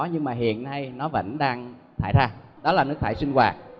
nhưng mà hiện nay nó vẫn đang thải ra đó là nước thải sinh hoạt